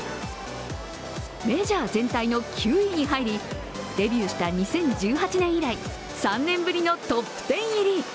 メジャー全体の９位に入り、デビューした２０１８年以来３年ぶりのトップ１０入り。